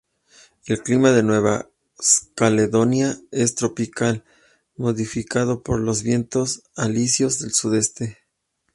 El clima de Nueva Caledonia es tropical, modificado por los vientos alisios del sudeste.